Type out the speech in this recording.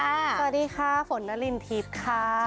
สวัสดีค่ะฝนละรินทีศค่ะ